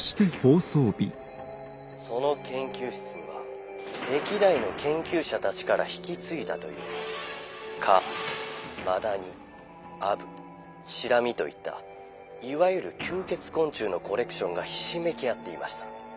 その研究室には歴代の研究者たちから引き継いだという蚊マダニアブシラミといったいわゆる吸血昆虫のコレクションがひしめき合っていました。